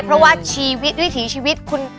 เพราะว่าวิถีชีวิต